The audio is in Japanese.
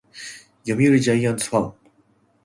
読売ジャイアンツファン